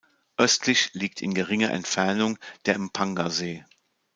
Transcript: Östlich liegt in geringer Entfernung der Mpanga-See.